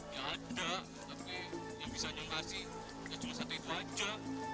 ya ada tapi yang bisa nyokasi ya cuma satu itu aja